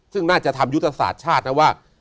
ซึ่งน่าจะทำยุทธศาสตร์ชาตินะว่า